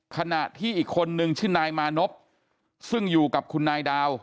ขณะที่อีกคนนึงชื่อนายมานพซึ่งอยู่กับคุณนายดาว